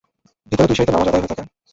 ভিতরে দুই সারিতে নামাজ আদায় হয়ে থাকে।